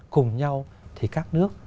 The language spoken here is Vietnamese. cùng nhau thì các nước